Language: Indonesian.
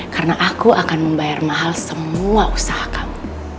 karena aku akan membayar mahal semua usaha kamu